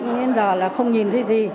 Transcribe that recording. nên giờ là không nhìn thấy gì